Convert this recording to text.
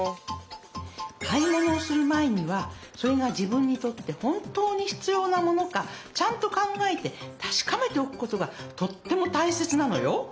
買い物をする前にはそれが自分にとって本当に必要なものかちゃんと考えて確かめておくことがとってもたいせつなのよ。